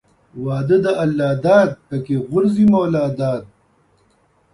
واده د الله داد پکښې غورځي مولاداد.